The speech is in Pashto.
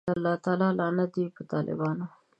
د الله لعنت دی وی په ټالبانو